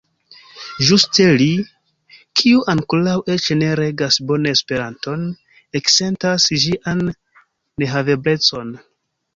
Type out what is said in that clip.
Ĝuste li, kiu ankoraŭ eĉ ne regas bone Esperanton, eksentas ĝian nehaveblecon.